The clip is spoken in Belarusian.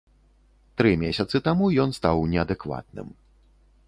Тры месяцы таму ён стаў неадэкватным.